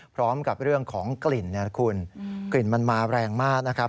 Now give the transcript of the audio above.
พร้อมกับเรื่องของกลิ่นเนี่ยคุณกลิ่นมันมาแรงมากนะครับ